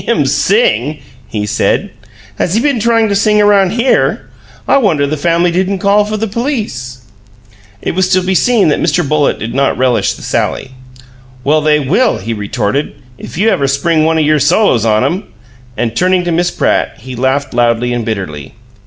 "Him sing?" he said. "Has he been tryin' to sing around HERE? I wonder the family didn't call for the police!" It was to be seen that Mr. Bullitt did not relish the sally. "Well, they will," he retorted, "if you ever spring one o' your solos on 'em!" And turning to Miss Pratt, he laughed loudly and bitterly.